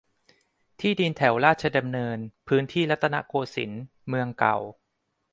ที่ดินแถวราชดำเนิน พื้นที่รัตนโกสินทร์ เมืองเก่า